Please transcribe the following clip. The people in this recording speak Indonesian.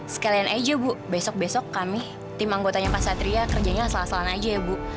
sekalian aja bu besok besok kami tim anggotanya pak satria kerjanya asal asalan aja ya bu